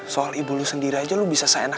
soal ibu lo sendiri aja lo bisa seenak enak